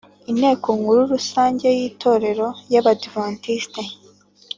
inteko nkuru rusange yitorero yabadiventisite